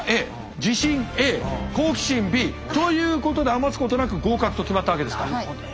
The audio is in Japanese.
自信Ａ好奇心Ｂということで余すことなく合格と決まったわけですか。